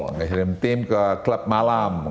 ngirim tim ke club malam